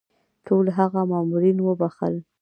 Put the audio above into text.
ټول هغه مامورین وبخښل.